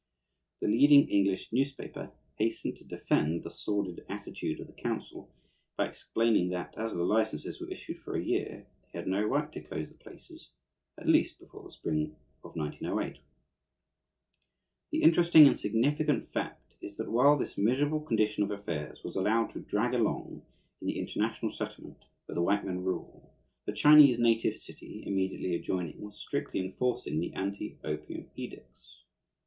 The leading English newspaper hastened to defend the sordid attitude of the council by explaining that, as the licenses were issued for a year, they had no right to close the places, at least before the spring of 1908. The interesting and significant fact is that while this miserable condition of affairs was allowed to drag along in the international settlement, where the white men rule, the Chinese native city, immediately adjoining, was strictly enforcing the anti opium edicts.